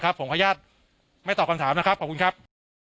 ผมขออนุญาตไม่ตอบคำถามนะครับขอบคุณครับ